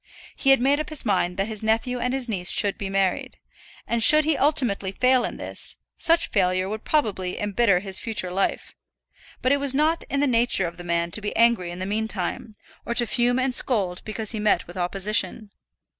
He had made up his mind that his nephew and his niece should be married, and should he ultimately fail in this, such failure would probably embitter his future life; but it was not in the nature of the man to be angry in the meantime, or to fume and scold because he met with opposition.